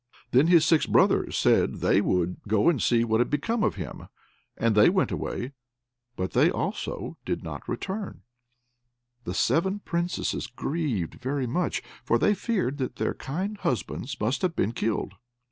Then his six brothers said they would go and see what had become of him; and they went away, but they also did not return. And the seven Princesses grieved very much, for they feared that their kind husbands must have been killed.